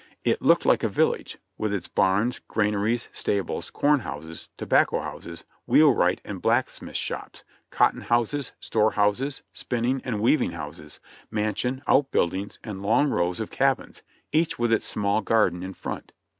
It looked like a village, with its barns, granaries, stables, corn houses, tobacco houses, wheel wright and blacksmith shops, cotton houses, store houses, spin ning and weaving houses, mansion, outbuildings and long rows of cabins, each with its small garden in front.